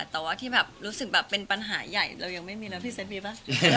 แต่ว่าที่แบบรู้สึกแบบเป็นปัญหาใหญ่เรายังไม่มีนะพี่เซบีป่ะ